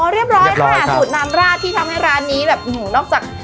เรียบร้อยค่ะสูตรน้ำราดที่ทำให้ร้านนี้แบบนอกจาก